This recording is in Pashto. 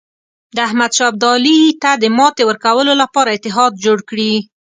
د احمدشاه ابدالي ته د ماتې ورکولو لپاره اتحاد جوړ کړي.